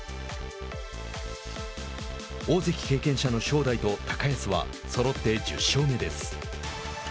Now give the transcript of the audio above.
大関経験者の正代と高安はそろって１０勝目です。